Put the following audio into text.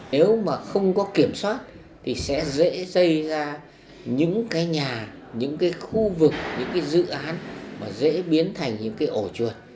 nếu mà không có kiểm soát thì sẽ dễ xây ra những cái nhà những cái khu vực những cái dự án mà dễ biến thành những cái ổ chuột